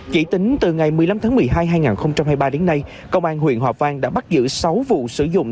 chỉ tính từ ngày một mươi năm tháng một mươi hai hai nghìn hai mươi ba đến nay công an huyện hòa vang đã bắt giữ sáu vụ sử dụng